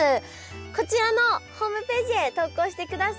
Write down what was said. こちらのホームページへ投稿してください。